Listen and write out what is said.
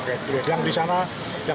yang di sana yang di sana